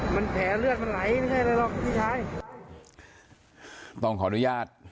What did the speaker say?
มันแผลเลือดมันไหลไม่ใช่อะไรหรอกพี่ชายต้องขออนุญาต